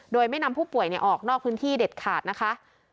โดยไม่นำผู้ป่วยออกนอกพื้นที่เด็ดขาดนะคะ